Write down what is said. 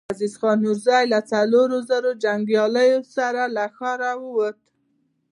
عزيز خان نورزی له څلورو زرو جنګياليو سره له ښاره ووت.